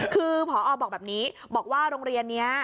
คือพอบอกแบบนี้บอกว่าโรงเรียนนี้